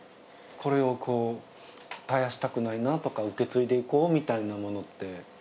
これをこう絶やしたくないなとか受け継いでいこうみたいなものって。